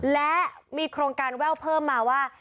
และมีโครงการแว่วเพิ่มมาว่า